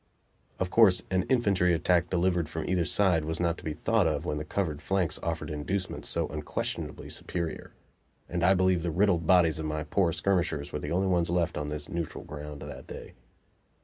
Of course, an infantry attack delivered from either side was not to be thought of when the covered flanks offered inducements so unquestionably superior; and I believe the riddled bodies of my poor skirmishers were the only ones left on this "neutral ground" that day.